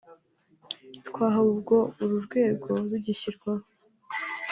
twahawe ubwo uru rwego rugishyirwaho